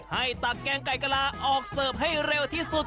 ตักแกงไก่กะลาออกเสิร์ฟให้เร็วที่สุด